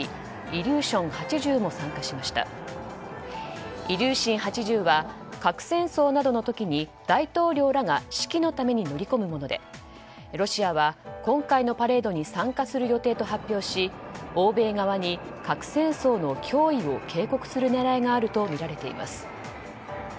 イリューシン８０は核戦争などの時に大統領らが指揮のために乗り込むものでロシアは今回のパレードに参加する予定と発表し欧米側に核戦争の脅威を警告する狙いがあるとみられています。